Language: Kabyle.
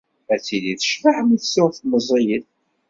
Ad tili tecbeḥ mi tt-tuɣ meẓẓiyet.